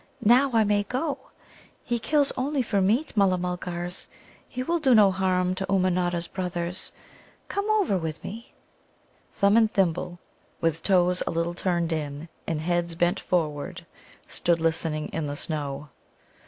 Now I may go. He kills only for meat, Mulla mulgars. He will do no harm to Ummanodda's brothers. Come over with me!" Thumb and Thimble, with toes a little turned in, and heads bent forward, stood listening in the snow.